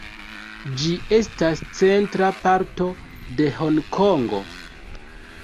Ĝi estas centra parto de Honkongo.